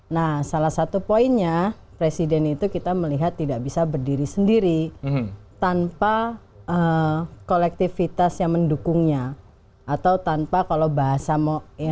nah salah satu poinnya presiden itu kita melihat tidak bisa berdiri sendiri tanpa kolektivitas yang mendukungnya atau tanpa kalau bahasa mau ini